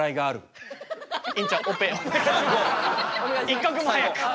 一刻も早く。